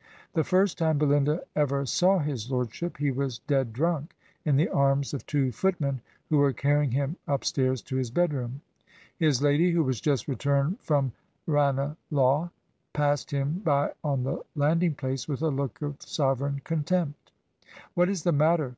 .•, The first time Belinda ever saw His Lordship, he was dead drunk in the arms of two footmen who were carrying him up stairs to hia bedroom; his lady, who was just returned from Rane lagh, passed him by on the landing place with a look of sovereign contempt. 'What is the matter?